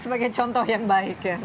sebagai contoh yang baik ya